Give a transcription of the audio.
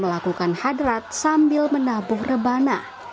mereka melakukan hadrat sambil menabuh rebana